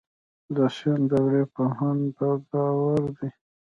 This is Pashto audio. د سنت دورې پوهنو پیداوار دي.